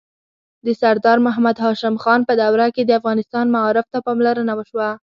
د سردار محمد هاشم خان په دوره کې د افغانستان معارف ته پاملرنه وشوه.